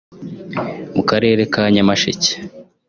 mu Karere ka Nyamasheke